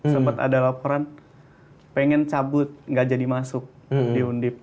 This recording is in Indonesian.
sempat ada laporan pengen cabut gak jadi masuk di undip